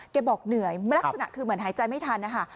บอกเหนื่อยลักษณะคือเหมือนหายใจไม่ทันนะคะ